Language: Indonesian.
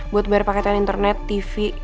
buat bayar paket internet tv